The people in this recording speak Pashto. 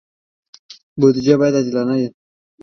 بودجه باید عادلانه وي